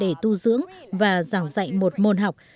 nhiều năm để tu dưỡng và giảng dạy một môn học